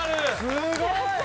すごい！